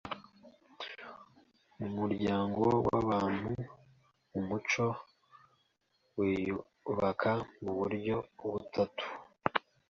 umuryango w’abantu, umuco wiyubaka mu buryo butatu